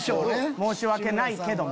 申し訳ないけども。